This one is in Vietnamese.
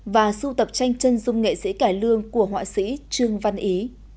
và sưu tập tranh chân dung nghệ sĩ cải lương của họa sĩ trương văn ý